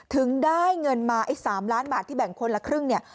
ถึงได้เงินมาไอ้๓ล้านบาทที่แบ่งคนละครึ่งเนี่ย